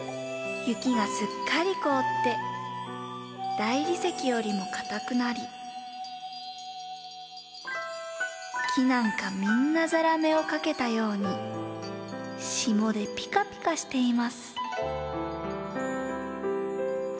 雪がすっかりこおってだいりせきよりもかたくなりきなんかみんなザラメをかけたようにしもでぴかぴかしています。